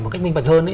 một cách minh bạch hơn